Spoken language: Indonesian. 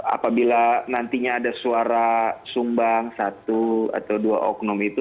apabila nantinya ada suara sumbang satu atau dua oknum itu